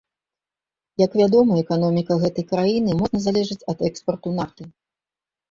Як вядома, эканоміка гэтай краіны моцна залежыць ад экспарту нафты.